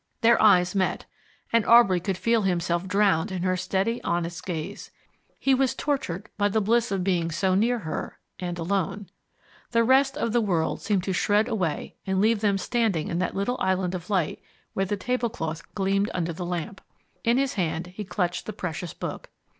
Their eyes met, and Aubrey could feel himself drowned in her steady, honest gaze. He was tortured by the bliss of being so near her, and alone. The rest of the world seemed to shred away and leave them standing in that little island of light where the tablecloth gleamed under the lamp. In his hand he clutched the precious book.